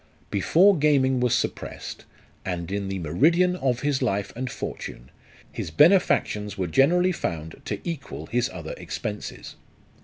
Before gaming was suppressed, and in the meridian of his life and fortune, his benefactions were generally found to equal his other expenses.